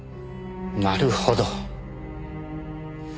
なるほど。